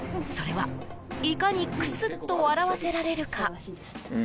それは、いかにクスッと笑わせられるか。